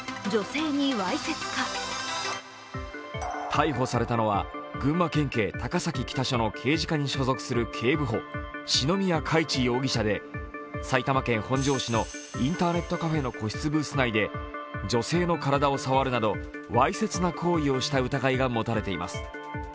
逮捕されたのは群馬県警高崎北署の刑事課に所属する警部補、篠宮嘉一容疑者で、埼玉県本庄市のインターネットカフェの個室ブース内で女性の体を触るなどわいせつな行為をした疑いが持たれています。